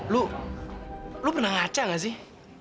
lo lo pernah ngaca enggak sih